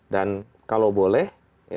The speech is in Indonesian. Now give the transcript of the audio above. dan kalau boleh